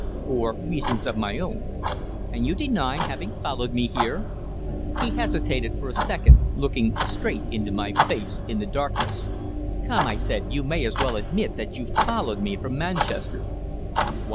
"For reasons of my own." "And you deny having followed me here?" He hesitated for a second, looking straight into my face in the darkness. "Come," I said, "you may as well admit that you followed me from Manchester."